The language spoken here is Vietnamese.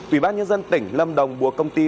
ubnd tỉnh lâm đồng vừa công ty